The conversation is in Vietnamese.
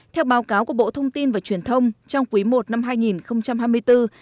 theo báo cáo của bộ thông tin và truyền thông trong quý i năm hai nghìn hai mươi bốn